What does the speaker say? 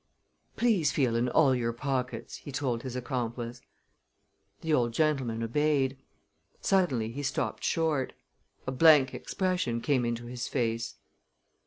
"Please feel in all your pockets," he told his accomplice. The old gentleman obeyed. Suddenly he stopped short. A blank expression came into his face.